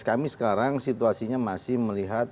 kami sekarang situasinya masih melihat